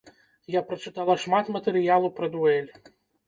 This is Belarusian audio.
Я прачытала шмат матэрыялу пра дуэль.